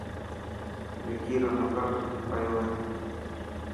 وڪي رو نمبر پيو هي.